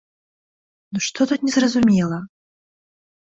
Ну што тут незразумела!